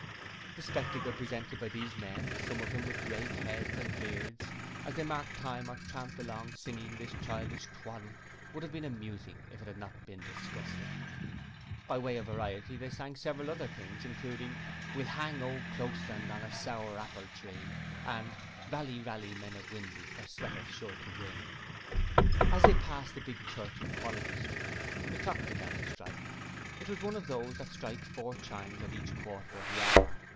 The spectacle presented by these men some of them with grey heads and beards as they marked time or tramped along singing this childish twaddle, would have been amusing if it had not been disgusting. By way of variety they sang several other things, including: 'We'll hang ole Closeland On a sour apple tree,' and 'Rally, Rally, men of Windley For Sweater's sure to win.' As they passed the big church in Quality Street, the clock began to strike. It was one of those that strike four chimes at each quarter of the hour.